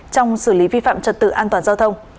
trong xử lý vi phạm trật tự an toàn giao thông